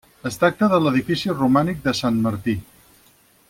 Es tracta de l'edifici romànic de Sant Martí.